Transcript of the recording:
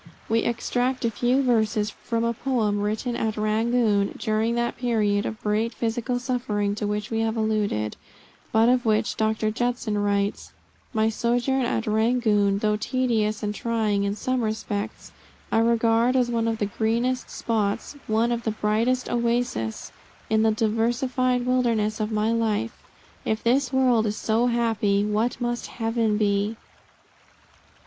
We extract a few verses from a poem written at Rangoon, during that period of great physical suffering to which we have alluded, but of which Dr. Judson writes: "My sojourn in Rangoon, though tedious and trying in some respects, I regard as one of the greenest spots, one of the brightest oases, in the diversified wilderness of my life. If this world is so happy, what must heaven be?"